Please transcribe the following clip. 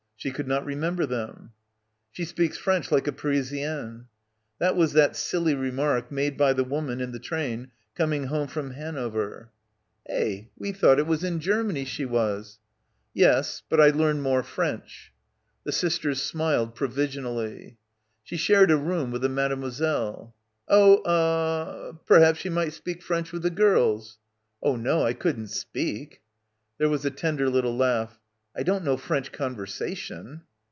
She could not remember them. "She speaks French like a Parisienne." That was that silly remark made by the woman in the train coming home from Hanover. "Eh — we thought it — it was in Germany she was " 12 BACKWATER "Yes, but I learned more French." The sisters smiled provisionally. "She shared a room with the mademoiselle." "Oh — er — hee — hay — perhaps she might speak French with the gels." "Oh, no, I couldn't speak" There was a tender little laugh. "I don't know French conversation."